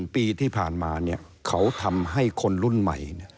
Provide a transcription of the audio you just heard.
ปีที่ผ่านมาเขาทำให้คนรุ่นใหม่